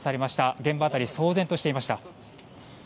現場辺り騒然としていました。